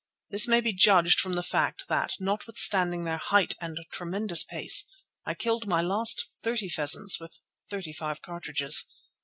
This may be judged from the fact that, notwithstanding their height and tremendous pace, I killed my last thirty pheasants with thirty five cartridges.